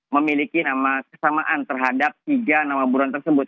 memiliki nama kesamaan terhadap tiga nama buron tersebut